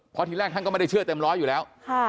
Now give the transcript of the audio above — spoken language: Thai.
เพราะทีแรกท่านก็ไม่ได้เชื่อเต็มร้อยอยู่แล้ว